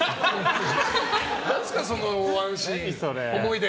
何すか、そのワンシーン思い出？